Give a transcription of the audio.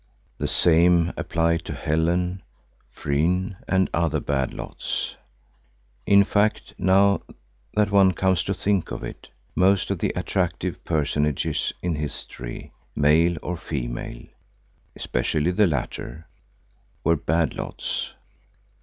The same applied to Helen, Phryne, and other bad lots. In fact now that one comes to think of it, most of the attractive personages in history, male or female, especially the latter, were bad lots.